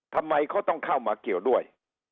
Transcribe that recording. ทำไมเขาต้องเข้ามาเกี่ยวด้วย